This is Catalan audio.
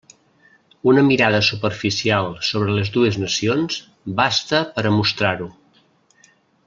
Una mirada superficial sobre les dues nacions basta per a mostrar-ho.